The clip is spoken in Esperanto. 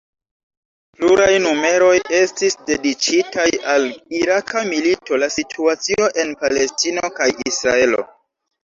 Pluraj numeroj estis dediĉitaj al Iraka milito, la situacio en Palestino kaj Israelo.